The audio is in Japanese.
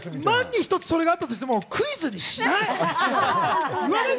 万に一つそれがあったとしてもクイズにしない。